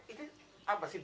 ini apa sih